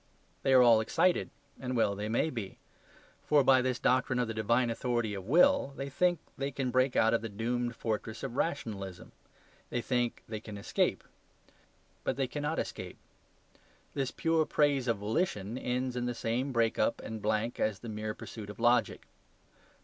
They are all excited; and well they may be. For by this doctrine of the divine authority of will, they think they can break out of the doomed fortress of rationalism. They think they can escape. But they cannot escape. This pure praise of volition ends in the same break up and blank as the mere pursuit of logic.